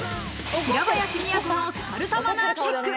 平林都のスパルタマナーチェック。